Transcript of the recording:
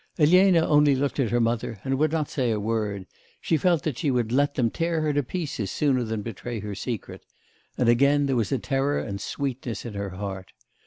Elena only looked at her mother, and would not say a word; she felt that she would let them tear her to pieces sooner than betray her secret, and again there was a terror and sweetness in her heart.